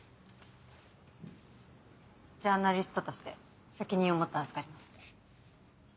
ジャーナリストとして責任を持って預かります。